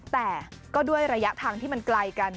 แต่ก็ด้วยระยะทางที่มันไกลกัน